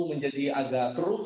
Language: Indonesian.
menjadi agak keruh